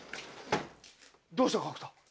どうした角田。